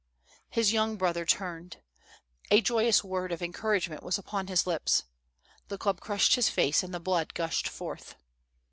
"His young brother turned. A joyous word of en couragement was upon his lips. The club crushed his face and the blood gushed forth.